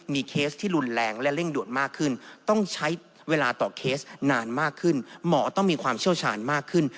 มีเคสที่รุนแรงและเร่งโดดมากขึ้นต้องใช้เวลาต่อเคสนานมากขึ้น